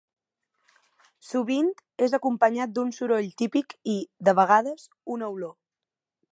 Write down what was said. Sovint és acompanyat d'un soroll típic i, de vegades, una olor.